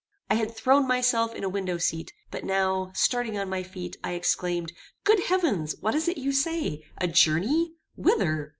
I had thrown myself in a window seat; but now, starting on my feet, I exclaimed, "Good heavens! what is it you say? a journey? whither?